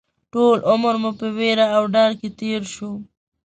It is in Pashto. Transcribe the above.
ټول عمر مو په وېره او ډار کې تېر شو